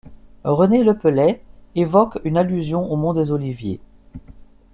René Lepelley évoque une allusion au mont des Oliviers.